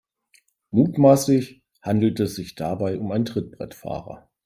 Mutmaßlich handelt es sich dabei um einen Trittbrettfahrer.